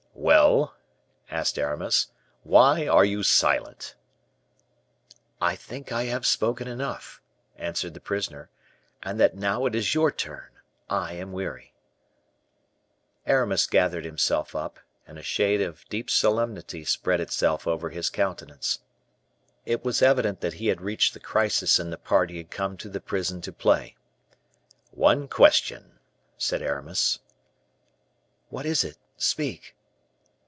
"Well," asked Aramis, "why are you silent?" "I think I have spoken enough," answered the prisoner, "and that now it is your turn. I am weary." Aramis gathered himself up, and a shade of deep solemnity spread itself over his countenance. It was evident that he had reached the crisis in the part he had come to the prison to play. "One question," said Aramis. "What is it? speak."